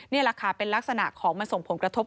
นี่แหละค่ะเป็นลักษณะของมันส่งผลกระทบ